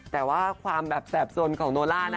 แต่ว่าความแบบแสบสนของโนล่านะ